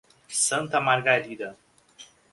Santa Margarida